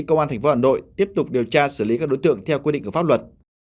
công an tp hà nội tiếp tục điều tra xử lý các đối tượng theo quy định của pháp luật